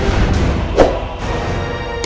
assalamualaikum warahmatullahi wabarakatuh